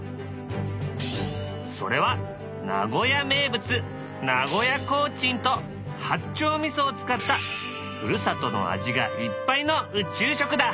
それは名古屋名物名古屋コーチンと八丁味噌を使ったふるさとの味がいっぱいの宇宙食だ。